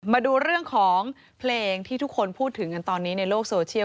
มาดูเรื่องของเพลงที่ทุกคนพูดถึงกันตอนนี้ในโลกโซเชียล